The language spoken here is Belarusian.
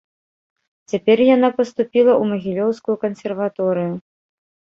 Цяпер яна паступіла ў магілёўскую кансерваторыю.